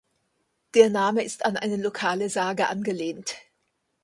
Der Name ist an eine lokale Sage angelehnt.